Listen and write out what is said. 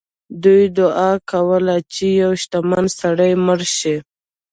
دوی دعا کوله چې یو شتمن سړی مړ شي.